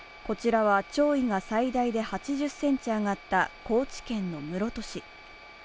こちらは潮位が最大で８０ｃｍ上がった高知県の室戸市。